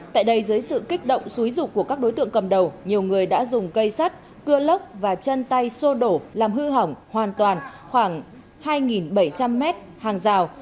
tại đây dưới sự kích động xúi rục của các đối tượng cầm đầu nhiều người đã dùng cây sắt cưa lốc và chân tay sô đổ làm hư hỏng hoàn toàn khoảng hai bảy trăm linh m hàng rào